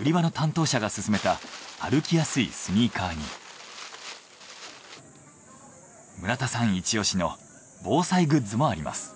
売り場の担当者が勧めた歩きやすいスニーカーに村田さんイチオシの防災グッズもあります。